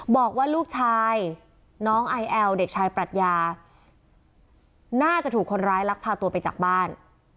บอกว่าลูกชายน้องไอแอลเด็กชายปรัชญาน่าจะถูกคนร้ายลักพาตัวไปจากบ้าน